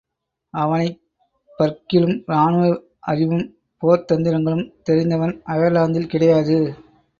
அவனைப்பர்க்கிலும், ராணுவ அறிவும், போர்த்தந்திரங்களும் தெரிந்தவன் அயர்லாந்தில் கிடையாது.